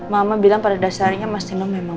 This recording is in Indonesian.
mama bilang pada dasarnya mas dino memang